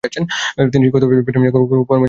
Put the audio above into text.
তিনি শিক্ষকতা পেশা নিয়ে কর্মজীবন শুরু করেন।